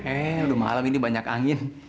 eh udah malam ini banyak angin